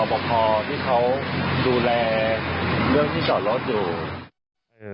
พอพอที่เขาดูแลเรื่องที่จอดรถอยู่เออ